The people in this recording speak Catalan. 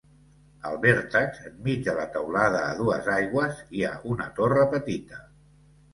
Al vèrtex, enmig de la teulada a dues aigües, hi ha una torre petita.